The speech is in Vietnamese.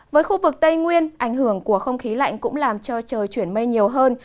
với khu vực tây nguyên ảnh hưởng của không khí lạnh cũng làm cho trời chuyển mây nhiều hơn